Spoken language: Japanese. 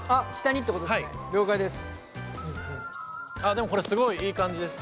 でもこれすごいいい感じです。